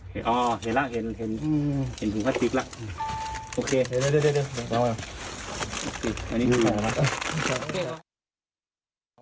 อ๋อเห็นแล้วเห็นถุงภาษาศิกษ์แล้ว